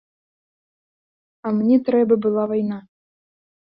А мне трэба была вайна.